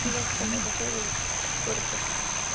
Sigue así con el resto del cuerpo.